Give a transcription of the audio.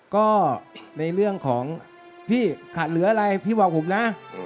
ก็ในเรื่องของพี่ขาดเหลืออะไรพี่บอกผมนะ